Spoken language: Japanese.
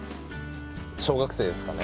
小学生ですかね。